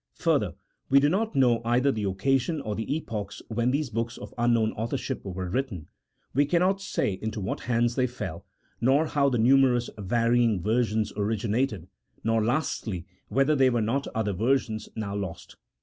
Further, we do not know either the occasions or the epochs when these books of unknown authorship were written ; we cannot say into what hands they fell, nor how the numerous varying versions origi nated ; nor, lastly, whether there were not other versions, now lost.